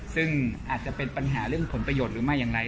ซึ่งอาจจะเป็นปัญหาเรื่องผลประโยชน์หรือไม่อย่างไร